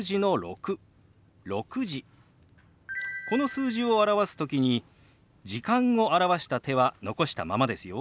この数字を表す時に「時間」を表した手は残したままですよ。